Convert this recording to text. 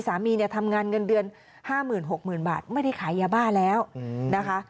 สามีเนี่ยทำงานเงินเดือน๕๖๐๐๐บาทไม่ได้ขายยาบ้าแล้วนะคะ